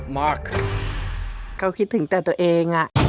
มาร์คเขาคิดถึงแต่ตัวเองอ่ะ